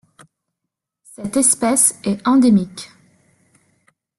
Cette espèce est endémique.